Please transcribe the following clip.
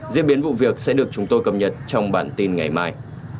diễn biến vụ việc sẽ được chúng tôi cập nhật trong bản tin ngày mai